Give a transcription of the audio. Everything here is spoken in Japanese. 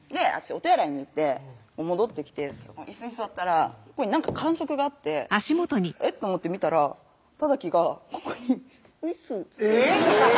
お手洗いに行って戻ってきていすに座ったらここに何か感触があってえっ？と思って見たら任記がここに「ういっす」っつってえぇっ！